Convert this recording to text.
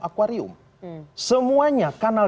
akwarium semuanya kanal